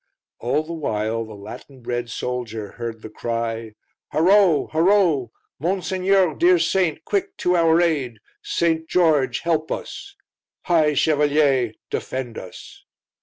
All the while the Latin bred soldier heard the cry: "Harow! Harow! Monseigneur, dear saint, quick to our aid! St. George help us!" "High Chevalier, defend us!"